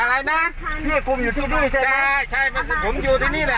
อะไรน่ะพี่คุมอยู่ที่ด้วยใช่ไหมใช่ใช่ผมอยู่ที่นี่แหละ